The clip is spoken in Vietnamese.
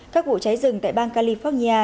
các vụ cháy rừng tại bang california